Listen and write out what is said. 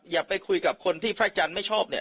อย่าไปคุยกับคนที่พระอาจารย์ไม่ชอบเนี่ย